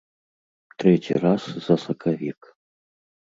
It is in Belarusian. Трэці раз за сакавік.